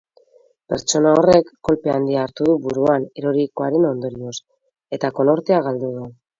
Pertsona horrek kolpe handia hartu du buruan erorikoaren ondorioz eta konortea galdu du.